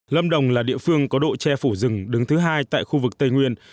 lâm đồng là địa phương có độ che phủ rừng đứng thứ hai tại khu vực tây nguyên